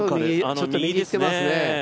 ちょっと右にいってますね。